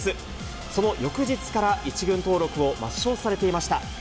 その翌日から１軍登録を抹消されていました。